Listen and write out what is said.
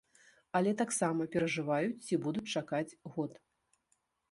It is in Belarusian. Але таксама перажываюць, ці будуць чакаць год.